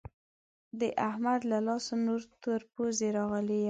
د احمد له لاسه نور تر پوزې راغلی يم.